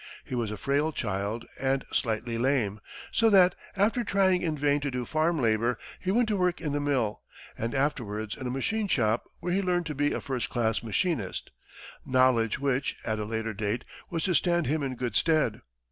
He was a frail child and slightly lame, so that, after trying in vain to do farm labor, he went to work in the mill, and afterwards in a machine shop, where he learned to be a first class machinist knowledge which, at a later day, was to stand him in good stead.